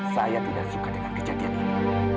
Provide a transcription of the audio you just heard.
saya tidak suka dengan kejadian ini